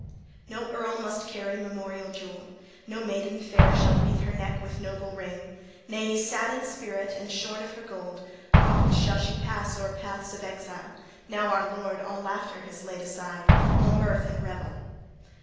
No earl must carry memorial jewel. No maiden fair shall wreathe her neck with noble ring: nay, sad in spirit and shorn of her gold, oft shall she pass o'er paths of exile now our lord all laughter has laid aside, all mirth and revel.